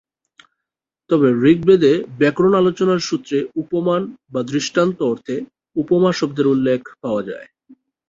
তবে ঋগ্বেদে ব্যাকরণ আলোচনার সূত্রে ‘উপমান’ বা ‘দৃষ্টান্ত’ অর্থে ‘উপমা’ শব্দের উল্লেখ পাওয়া যায়।